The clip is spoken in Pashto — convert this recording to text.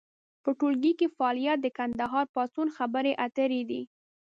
په ټولګي کې فعالیت د کندهار پاڅون خبرې اترې دي.